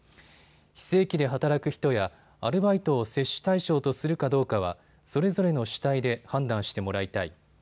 非正規で働く人やアルバイトを接種対象とするかどうかはそれぞれの主体で判断してもらいたい。